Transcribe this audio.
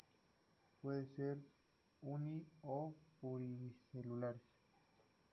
Pueden ser uni o pluricelulares.